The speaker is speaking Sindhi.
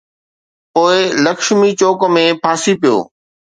پوءِ لڪشمي چوڪ ۾ ڦاسي پيو.